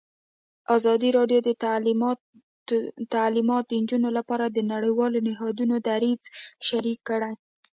ازادي راډیو د تعلیمات د نجونو لپاره د نړیوالو نهادونو دریځ شریک کړی.